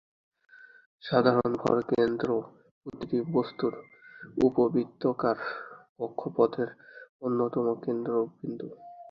সাধারণ ভরকেন্দ্র প্রতিটি বস্তুর উপবৃত্তাকার কক্ষপথের অন্যতম কেন্দ্রবিন্দু।